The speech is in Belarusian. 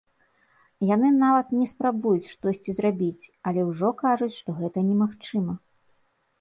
Яны нават не спрабуюць штосьці зрабіць, але ўжо кажуць, што гэта немагчыма.